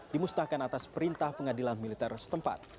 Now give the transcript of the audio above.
dimusnahkan atas perintah pengadilan militer setempat